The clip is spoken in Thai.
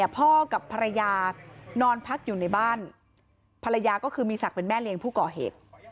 พ่อกับภรรยานอนพักอยู่ในบ้านภรรยาก็คือมีศักดิ์เป็นแม่เลี้ยงผู้ก่อเหตุ